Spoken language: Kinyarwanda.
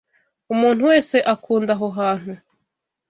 Umuntu wese akunda aho hantu.